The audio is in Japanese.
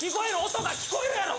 音が聞こえるやろ！